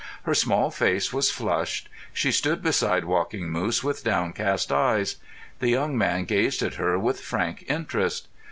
Her small face was flushed. She stood beside Walking Moose with downcast eyes. The young man gazed at her with frank interest.